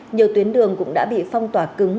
nhiều tuyến đường cũng đã bị phong tỏa cứng